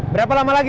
berapa lama lagi